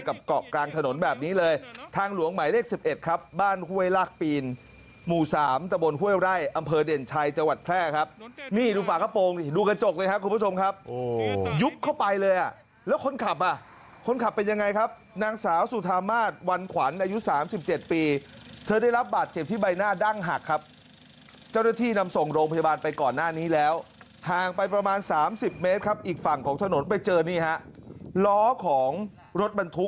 กับเกาะกลางถนนแบบนี้เลยทางหลวงใหม่เลข๑๑ครับบ้านห้วยลากปีนหมู่๓ตมห้วยไร้อำเภอเด่นชายจวัดแพร่ครับนี่ดูฝากคัปโปรงดูกระจกเลยครับคุณผู้ชมครับยุบเข้าไปเลยแล้วคนขับอ่ะคนขับเป็นยังไงครับนางสาวสุธามาศวรรณขวัญอายุ๓๗ปีเธอได้รับบาดเจ็บที่ใบหน้าดั้งหักครับเจ้าหน้าที่นำส่งโรงพ